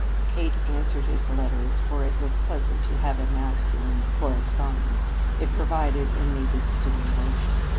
Kate answered his letters, for it was pleasant to have a masculine correspondent. It provided a needed stimulation.